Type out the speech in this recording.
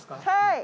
はい。